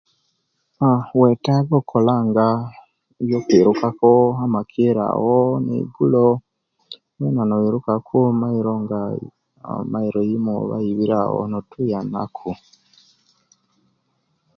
Aah wetaaga okukola nga ebyokwirukaku amakeri awo eigulowena noirukaku emailo nga emailo yimo ebiiri awo notuyanaku